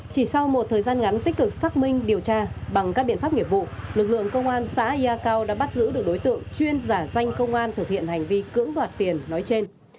chỉ sau một thời gian ngắn tích cực xác minh điều tra bằng các biện pháp nghiệp vụ lực lượng công an xã ya cao đã bắt giữ được đối tượng chuyên giả danh công an thực hiện hành vi cưỡng đoạt tiền nói trên